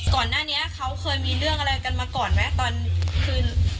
ก่อนหน้านี้เขาเคยมีเรื่องอะไรกันมาก่อนไหมตอนคืน